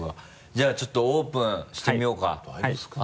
じゃあちょっとオープンしてみようか。